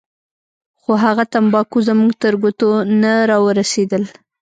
خو هغه تمباکو زموږ تر ګوتو نه راورسېدل.